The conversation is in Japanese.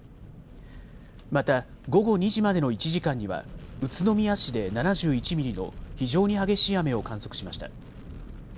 また午後２時までの１時間には宇都宮市で７１ミリの非常に激しい雨を観測しました。